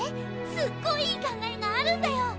すっごいいい考えがあるんだよ！